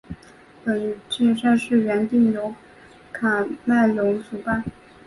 本届赛事原定由喀麦隆主办。